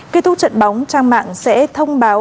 kết thúc trận bóng trang mạng sẽ thông báo